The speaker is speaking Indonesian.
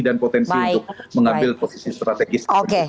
dan potensi untuk mengambil posisi strategis